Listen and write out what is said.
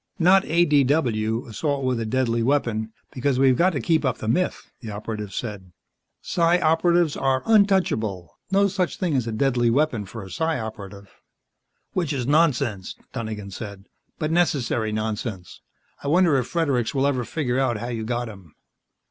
"Not ADW assault with a deadly weapon because we've got to keep up the myth," the Operative said. "Psi Operatives are untouchable. No such thing as a deadly weapon for a Psi Operative." "Which is nonsense," Donegan said, "but necessary nonsense. I wonder if Fredericks will ever figure out how you got him."